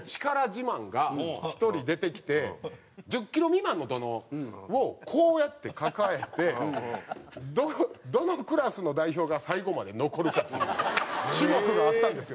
自慢が１人出てきて１０キロ未満の土嚢をこうやって抱えてどのクラスの代表が最後まで残るかっていう種目があったんですよ。